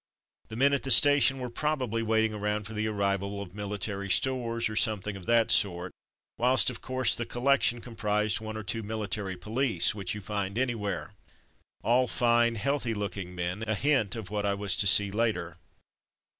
The men at the station were probably waiting around for the arrival of military stores, or something of that sort, whilst, of course, the collection comprised one or two military police, which you find anywhere. All fine, healthy looking men, a hint of what I was to see later.